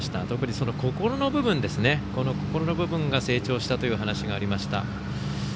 特に心の部分が成長したという話がありました。